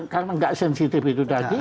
karena nggak sensitif itu tadi